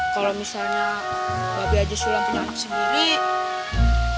kalau misalnya babi shulam punya anak sendiri